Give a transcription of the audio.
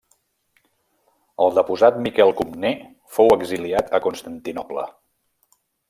El deposat Miquel Comnè fou exiliat a Constantinoble.